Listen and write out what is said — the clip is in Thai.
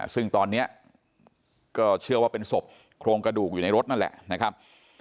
ซึ่งตอนนี้ก็เชื่อว่าเป็นศพโครงกระดูกอยู่ในรถนั่นแหละนะครับ